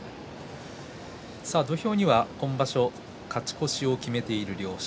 土俵には今場所勝ち越しを決めている両者。